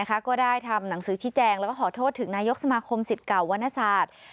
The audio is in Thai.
ก็ได้ทำหนังสือชี้แจงแล้วก็ขอโทษถึงนายกสมาคมสิทธิ์เก่าวรรณศาสตร์